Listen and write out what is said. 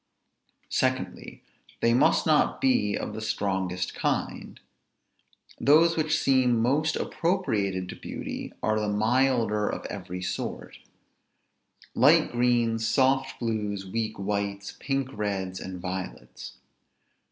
Secondly, they must not be of the strongest kind. Those which seem most appropriated to beauty, are the milder of every sort; light greens; soft blues; weak whites; pink reds; and violets.